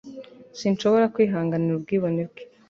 Sinshobora kwihanganira ubwibone bwe.